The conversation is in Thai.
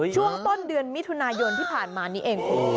ช่วงต้นเดือนมิถุนายนที่ผ่านมานี้เองคุณ